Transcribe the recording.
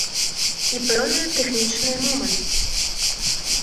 І пэўныя тэхнічныя моманты.